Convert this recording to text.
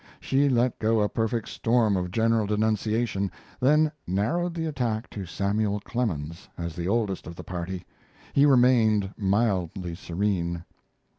She let go a perfect storm of general denunciation, then narrowed the attack to Samuel Clemens as the oldest of the party. He remained mildly serene.